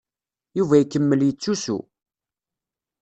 Yuba ikemmel yettusu.